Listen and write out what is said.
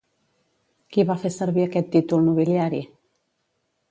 Qui va fer servir aquest títol nobiliari?